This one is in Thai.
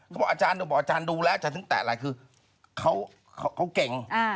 เขาบอกอาจารย์ดูแล้วจากนึงแต่อะไรคือเขาเก่ง